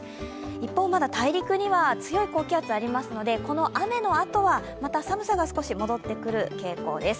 一方、大陸には強い高気圧ありますので雨のあとはまた寒さが戻ってくる傾向にありそうです。